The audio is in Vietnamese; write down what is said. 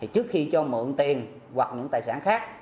trước khi cho mượn tiền hoặc những tài sản khác